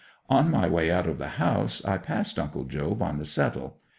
On my way out of the house I passed Uncle Job on the settle.